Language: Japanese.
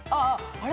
あれ？